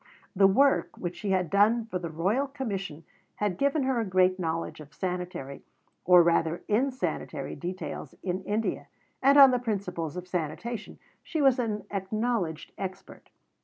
The work which she had done for the Royal Commission had given her a great knowledge of sanitary, or rather insanitary, details in India; and on the principles of sanitation she was an acknowledged expert.